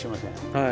はい。